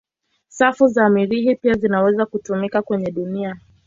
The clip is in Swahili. Safu za Mirihi pia zinaweza kutumika kwenye dunia.